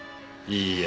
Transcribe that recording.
いいえ。